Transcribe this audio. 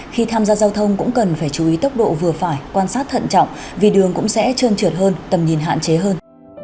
khi tham gia giao thông cũng cần phải chú ý tốc độ vừa phải quan sát thận trọng vì đường cũng sẽ trơn trượt hơn tầm nhìn hạn chế hơn